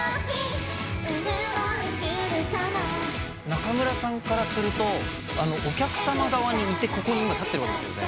中村さんからするとお客さま側にいてここに今立ってるわけですよね。